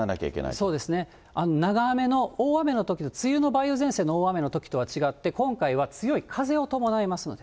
そうですね、長雨の大雨のとき、梅雨の梅雨前線の大雨のときとは違って、今回は強い風を伴いますので。